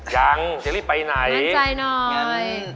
ยังจะรีบไปไหนงั้นมั่นใจหน่อย